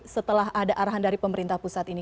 setelah ada arahan dari pemerintah pusat ini